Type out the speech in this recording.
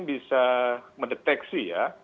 bisa mendeteksi ya